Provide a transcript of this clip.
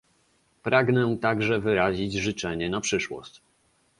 Pragnę także wyrazić życzenie na przyszłość